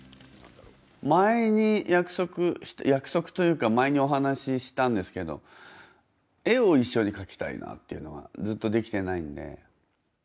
前に約束、約束というか前にお話ししたんですけどっていうのはずっとできていないんで。